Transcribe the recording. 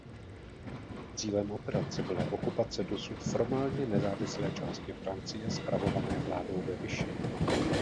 Cílem operace byla okupace dosud formálně nezávislé části Francie spravované vládou ve Vichy.